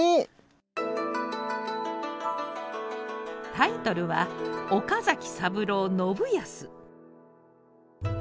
タイトルは「岡崎三郎信康」。